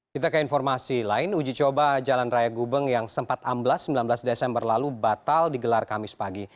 kita ke informasi lain uji coba jalan raya gubeng yang sempat amblas sembilan belas desember lalu batal digelar kamis pagi